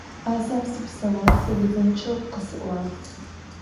azem sıpsaou, sıuzınççeu khısi'uağ